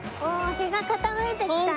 日が傾いてきたね。